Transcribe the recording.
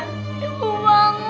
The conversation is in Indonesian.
di video selanjutnya